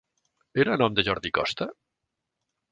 Era a nom de Jordi Costa?